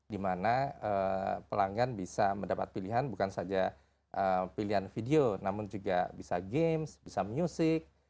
dimana pelanggan bisa mendapat pilihan bukan saja pilihan video namun juga bisa games bisa music